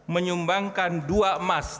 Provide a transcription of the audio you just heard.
menyumbangkan dua emas